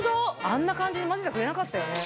あんな感じに混ぜてくれなかったよね。